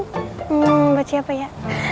hmm buat siapa ya